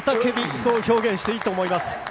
そう表現してもいいと思います。